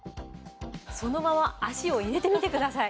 そのまま足を入れてみてください。